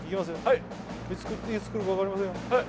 はいはいいつ来るか分かりませんよ